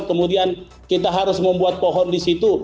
kemudian kita harus membuat pohon di situ